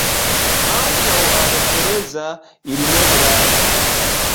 Ankaŭ al Tereza ili ne gravu.